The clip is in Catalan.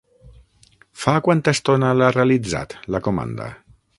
Fa quanta estona l'ha realitzat, la comanda?